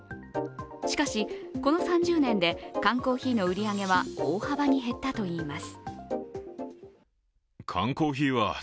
しかし、この３０年で缶コーヒーの売り上げは大幅に減ったといいます。